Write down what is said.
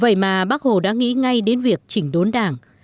vậy mà bác hồ đã nghĩ ngay đến việc chỉnh đốn đảng